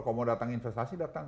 kalau mau datang investasi datang